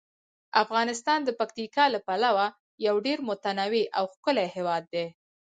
افغانستان د پکتیکا له پلوه یو ډیر متنوع او ښکلی هیواد دی.